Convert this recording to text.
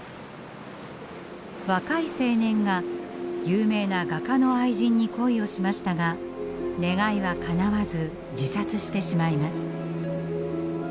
若い青年が有名な画家の愛人に恋をしましたが願いはかなわず自殺してしまいます。